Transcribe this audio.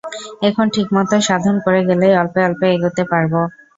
এখন ঠিকমত সাধন করে গেলেই অল্পে অল্পে এগোতে পারব।